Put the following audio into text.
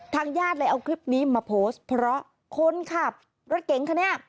ญาติเลยเอาคลิปนี้มาโพสต์เพราะคนขับรถเก๋งคันนี้